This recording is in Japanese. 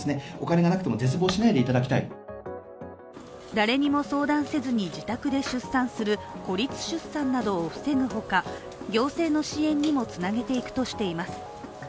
誰にも相談せずに自宅で出産する孤立出産などを防ぐほか行政の支援にもつなげていくとしています。